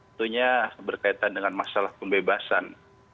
tentunya berkaitan dengan masalah pembebasan